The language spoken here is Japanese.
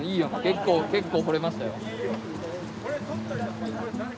結構結構掘れましたよ。